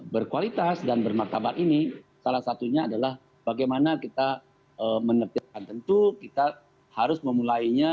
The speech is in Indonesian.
berkualitas dan bermartabat ini salah satunya adalah bagaimana kita menertibkan tentu kita harus memulainya